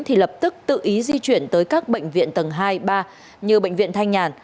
thì lập tức tự ý di chuyển tới các bệnh viện tầng hai ba như bệnh viện thanh nhàn